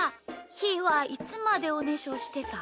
ひーはいつまでおねしょしてた？